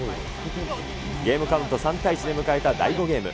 ゲームカウント３対１で迎えた第５ゲーム。